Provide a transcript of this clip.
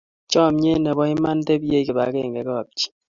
Chomyet nebo iman, tebyei Kibagenge kapchi